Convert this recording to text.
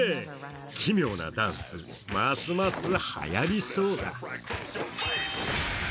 奇妙なダンス、ますますはやりそうだ。